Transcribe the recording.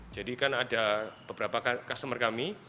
jadi kan ada beberapa customer kami